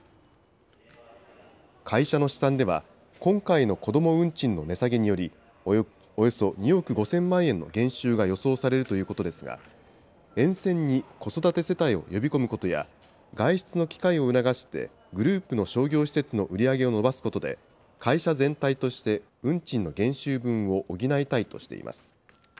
会社の試算では、今回の子ども運賃の値下げにより、およそ２億５０００万円の減収が予想されるということですが、沿線に子育て世帯を呼び込むことや、外出の機会を促して、グループの商業施設の売り上げを伸ばすことで、会社全体として運賃の減収分を補いたいとしています。